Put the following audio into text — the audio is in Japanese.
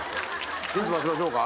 ヒント出しましょうか？